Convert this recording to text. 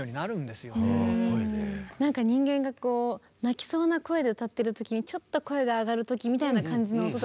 なんか人間がこう泣きそうな声で歌ってる時にちょっと声が上がる時みたいな感じの音とかありますよね。